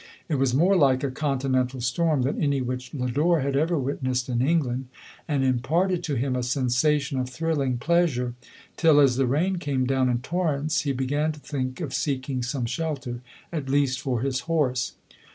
It was more like a continental storm than any which Lodore had ever witnessed in England, and imparted to him a sensation of thrilling pleasure ; till, as the rain came down in torrents, he began to think of seeking some shelter, at least for his horse.